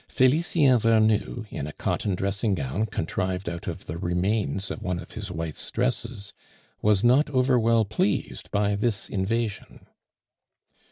Felicien Vernou, in a cotton dressing gown contrived out of the remains of one of his wife's dresses, was not over well pleased by this invasion.